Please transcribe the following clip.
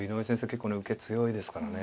結構ね受け強いですからね。